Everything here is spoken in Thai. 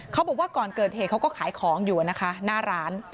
บอกว่าก่อนเกิดเหตุเขาก็ขายของอยู่นะคะหน้าร้าน